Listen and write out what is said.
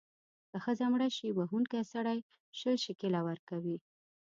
که ښځه مړه شي، وهونکی سړی شل شِکِله ورکړي.